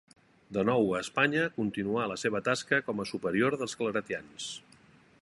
De nou a Espanya, continuà la seva tasca com a superior dels claretians.